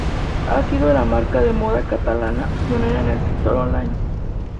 Ha sido la marca de moda catalana pionera en el sector online.